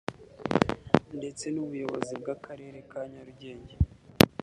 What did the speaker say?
ndetse n’Ubuyobozi bw’Akarere ka Nyagatare